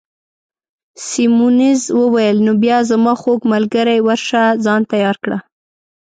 سیمونز وویل: نو بیا زما خوږ ملګرې، ورشه ځان تیار کړه.